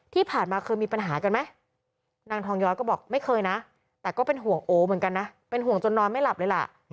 ที่ผ่านมาเคยมีปัญหากันไหมนางทองย้อยก็บอกไม่เคยนะแต่ก็เป็นห่วงโอเหมือนกันนะเป็นห่วงจนนอนไม่หลับเลยล่ะ